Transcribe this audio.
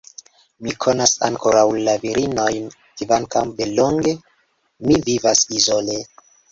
Mi konas ankoraŭ la virinojn, kvankam delonge mi vivas izole.